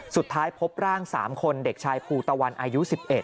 สุดท้ายพบร่าง๓คนเด็กชายภูตะวันอายุ๑๑